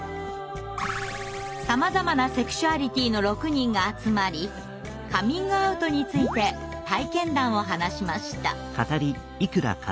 さまざまなセクシュアリティーの６人が集まりカミングアウトについて体験談を話しました。